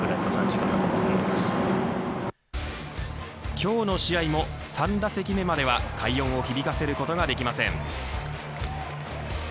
今日の試合も３打席目までは快音を響かせることができません。